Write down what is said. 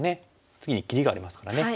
次に切りがありますからね。